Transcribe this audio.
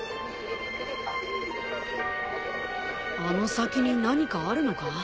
あの先に何かあるのか？